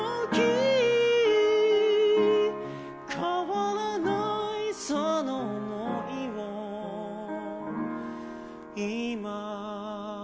「変わらないその想いを今」